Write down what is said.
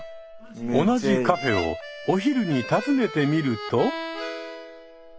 同じカフェをお昼に訪ねてみると。